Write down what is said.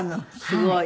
すごい。